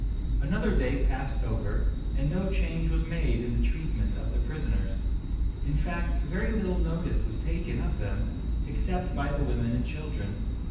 Another day passed over, and no change was made in the treatment of the prisoners. In fact very little notice was taken of them, except by the women and children.